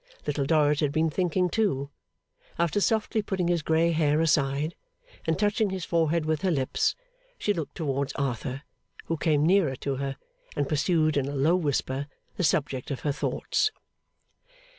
Little Dorrit had been thinking too. After softly putting his grey hair aside, and touching his forehead with her lips, she looked towards Arthur, who came nearer to her, and pursued in a low whisper the subject of her thoughts.